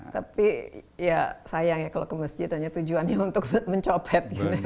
tapi ya sayang ya kalau ke masjid hanya tujuannya untuk mencopet